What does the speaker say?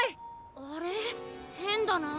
あれ変だな？